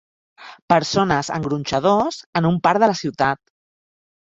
Persones en Gronxadors en un parc de la ciutat.